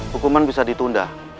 hukuman bisa ditunda